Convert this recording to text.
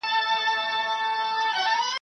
نه « هینداره » چي مو شپې کړو ورته سپیني ..